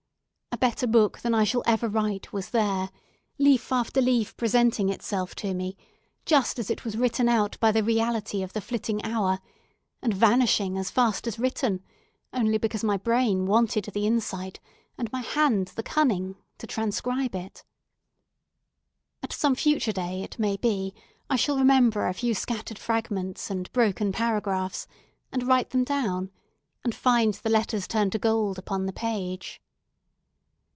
A better book than I shall ever write was there; leaf after leaf presenting itself to me, just as it was written out by the reality of the flitting hour, and vanishing as fast as written, only because my brain wanted the insight, and my hand the cunning, to transcribe it. At some future day, it may be, I shall remember a few scattered fragments and broken paragraphs, and write them down, and find the letters turn to gold upon the page.